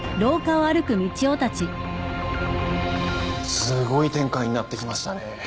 すごい展開になってきましたね。